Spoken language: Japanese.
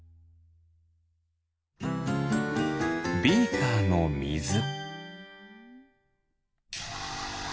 ビーカーのみず。